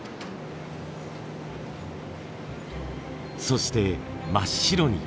そして真っ白に。